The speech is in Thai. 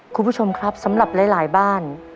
คุณผู้ชมครับสำหรับหลายบ้าน